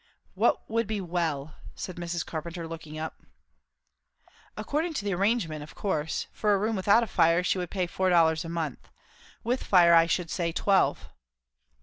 "What would be 'well'?" said Mrs. Carpenter, looking up. "According to the arrangement, of course. For a room without a fire, she would pay four dollars a month; with fire, I should say, twelve."